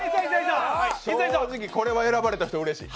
正直、これは選ばれた人うれしい。